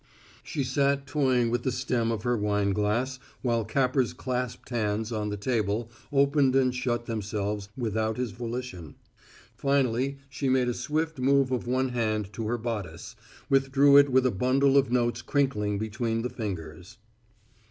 She sat toying with the stem of her wineglass while Capper's clasped hands on the table opened and shut themselves without his volition. Finally she made a swift move of one hand to her bodice, withdrew it with a bundle of notes crinkling between the fingers.